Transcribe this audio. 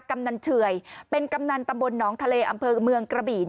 กำนันเฉื่อยเป็นกำนันตำบลหนองทะเลอำเภอเมืองกระบี่